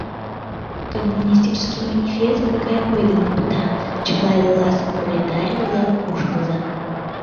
«Коммунистический Манифест» тыгай ой дене пыта: «Чыла элласе пролетарий-влак, ушныза!»